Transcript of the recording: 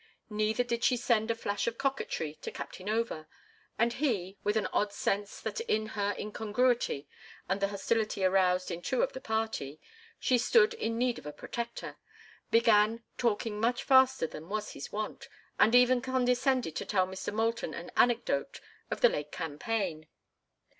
Neither did she send a flash of coquetry to Captain Over; and he, with an odd sense that in her incongruity, and the hostility aroused in two of the party, she stood in need of a protector, began talking much faster than was his wont, and even condescended to tell Mr. Moulton an anecdote of the late campaign.